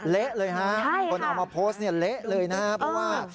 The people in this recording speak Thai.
เละเลยฮะใช่ค่ะคนเอามาโพสต์เนี่ยเละเลยนะเพราะว่า